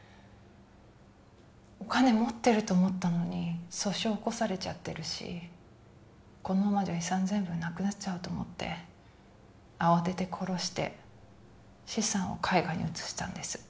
お金持ってると思ったのに訴訟起こされちゃってるしこのままじゃ遺産全部なくなっちゃうと思って慌てて殺して資産を海外に移したんです